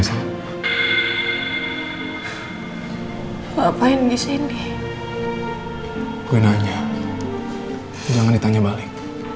ngapain di sini gue nanya jangan ditanya balik